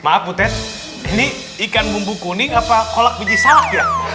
maaf butet ini ikan bumbu kuning apa kolak biji salak ya